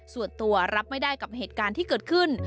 ส่วนตัวรับไม่ได้กับเหตุการณ์ที่เกิดขึ้น